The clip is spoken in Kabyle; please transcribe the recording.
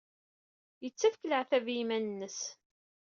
Yettakf leɛtab i yiman-nnes.